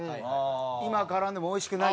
今絡んでもおいしくない。